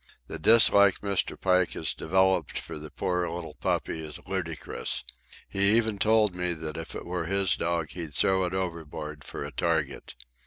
The dislike Mr. Pike has developed for the poor little puppy is ludicrous. He even told me that if it were his dog he'd throw it overboard for a target.